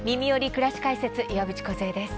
くらし解説」岩渕梢です。